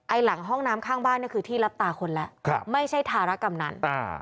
ไอหลังห้องน้ำข้างบ้านนี่คือที่รับตาคนแล้วไม่ใช่ธารกรรมนั้น